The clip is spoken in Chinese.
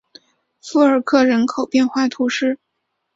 富尔克人口变化图示